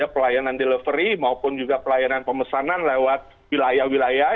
pelayanan delivery maupun juga pelayanan pemesanan lewat wilayah wilayah